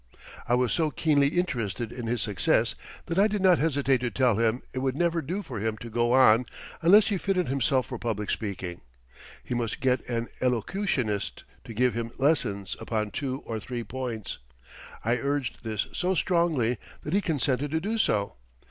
I was so keenly interested in his success that I did not hesitate to tell him it would never do for him to go on unless he fitted himself for public speaking. He must get an elocutionist to give him lessons upon two or three points. I urged this so strongly that he consented to do so.